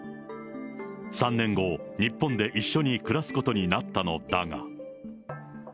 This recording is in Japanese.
３年後、日本で一緒に暮らすことになったのだが。